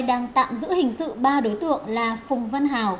đang tạm giữ hình sự ba đối tượng là phùng vân hảo